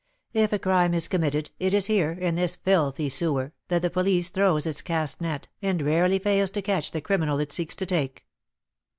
If a crime is committed, it is here, in this filthy sewer, that the police throws its cast net, and rarely fails to catch the criminals it seeks to take.